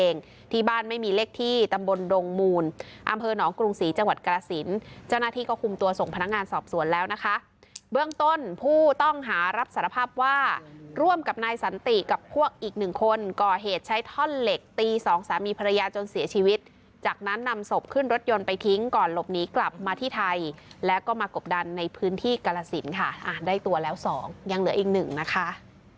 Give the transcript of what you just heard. เจ้าหน้าที่ก็คุมตัวส่งพนักงานสอบสวนแล้วนะคะเบื้องต้นผู้ต้องหารับสารภาพว่าร่วมกับนายสันติกับพวกอีกหนึ่งคนก่อเหตุใช้ท่อนเหล็กตีสองสามีภรรยาจนเสียชีวิตจากนั้นนำศพขึ้นรถยนต์ไปทิ้งก่อนหลบหนีกลับมาที่ไทยแล้วก็มากบดันในพื้นที่กรสินค่ะได้ตัวแล้วสองยังเหลืออีกหนึ่งนะคะ